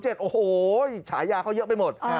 โอ้โหฉายาเขาเยอะไปหมด